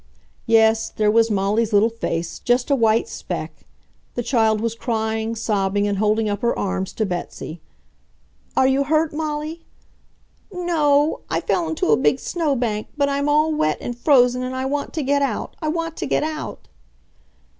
Yes, there was Molly's little face, just a white speck. The child was crying, sobbing, and holding up her arms to Betsy. "Are you hurt, Molly?" "No. I fell into a big snow bank, but I'm all wet and frozen and I want to get out! I want to get out!"